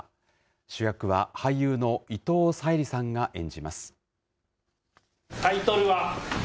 主役は俳優の伊藤沙莉さんが演じます。